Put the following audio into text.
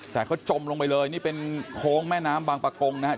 แต่เขาจมลงไปเลยนี่เป็นโค้งแม่น้ำบางประกงนะครับ